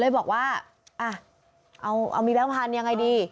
เลยบอกว่าอ่ะเอามีแบงค์พันธุ์ยังไงดี